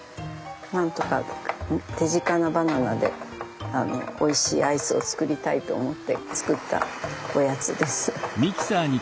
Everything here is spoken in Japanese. なんとか手近なバナナでおいしいアイスを作りたいと思って作ったおやつです。